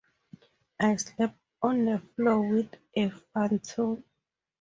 I slept on the floor with a futon.